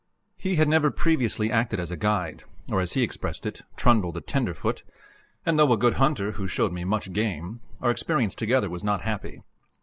He had never previously acted as guide, or, as he expressed it, "trundled a tenderfoot," and though a good hunter, who showed me much game, our experience together was not happy.